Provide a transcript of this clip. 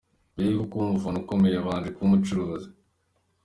Mbere yo kuba umufana ukomeye, yabanje kuba umucuruzi.